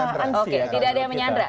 oke tidak ada yang menyandra